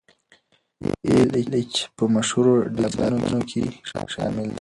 ای ایل ایچ په مشهورو ډیټابیسونو کې شامل دی.